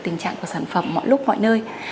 tình trạng của sản phẩm mọi lúc mọi nơi